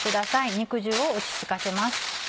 肉汁を落ち着かせます。